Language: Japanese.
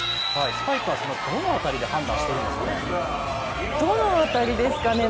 スパイクはどの辺りで判断してるんですかね。